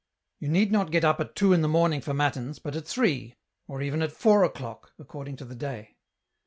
You need not get up at two in the morning for Matins, but at three, or even at four o'clock, according to the day."